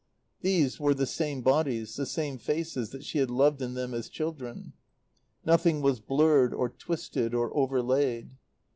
These were the same bodies, the same faces that she had loved in them as children; nothing was blurred or twisted or overlaid.